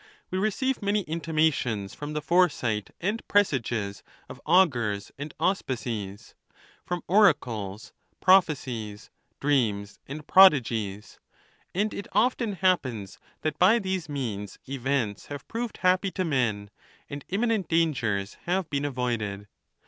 We receive many intimations from the foresight and presages of augurs and auspices ; from oracles, proph ecies, dreams, and prodigies; and it often happens that by these means events have proved happy to men, and imminent dangers have been avoided.